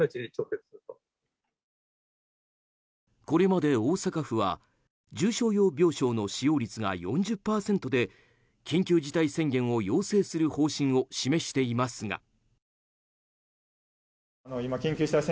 これまで大阪府は重症用病床の使用率が４０％で緊急事態宣言を要請する方針を示していますが。